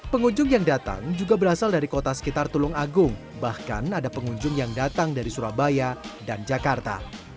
pengunjung yang datang juga berasal dari kota sekitar tulung agung bahkan ada pengunjung yang datang dari surabaya dan jakarta